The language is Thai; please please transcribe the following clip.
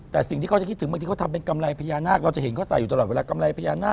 แต่สิ่งที่เขาจะคิดถึงบางทีเขาทำเป็นกำไรพญานาคเราจะเห็นเขาใส่อยู่ตลอดเวลากำไรพญานาค